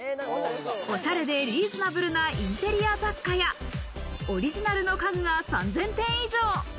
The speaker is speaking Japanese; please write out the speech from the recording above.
おしゃれでリーズナブルなインテリア雑貨やオリジナルの家具が３０００点以上。